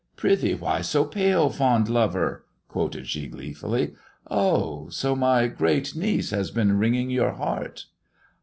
"* Pry thee why so pale, fond lover T " quoted she glee fully. " Oh ! so my great niece has been wringing your heart."